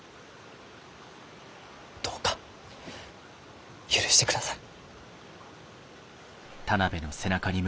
どうか許してください。